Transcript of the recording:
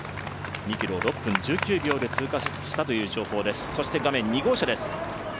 ２ｋｍを６分１９秒で通過したということです。